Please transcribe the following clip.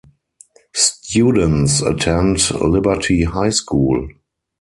Students attend Liberty High School.